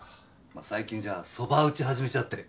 まあ最近じゃそば打ち始めちゃって。